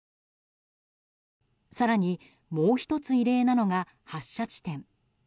更に、もう１つ異例なのが発射地点。